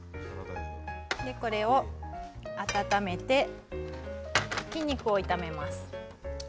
これを温めてひき肉を炒めます。